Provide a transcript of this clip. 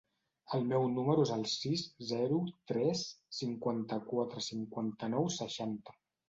El meu número es el sis, zero, tres, cinquanta-quatre, cinquanta-nou, seixanta.